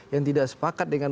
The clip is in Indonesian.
yang tidak sepakat dengan